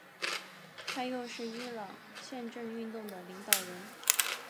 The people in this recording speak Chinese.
他又是伊朗宪政运动的领导人。